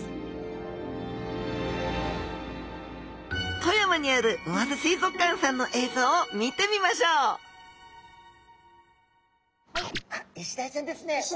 富山にある魚津水族館さんの映像を見てみましょうあイシダイちゃんですね。